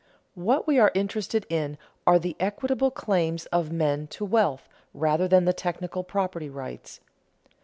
What we are interested in are the equitable claims of men to wealth rather than the technical property rights.